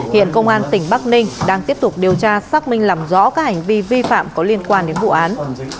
hiện công an tỉnh bắc ninh đang tiếp tục điều tra xác minh làm rõ các hành vi vi phạm có liên quan đến vụ án